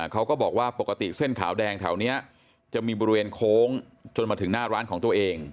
เขาก็บอกว่าปกติเส้นขาวแดงแถวนี้จะมีบริเวณโค้งจนมาถึงหน้าร้านของตัวเอง